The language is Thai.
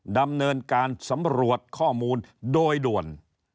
ดำเนินการสำรวจข้อมูลโดยด่วน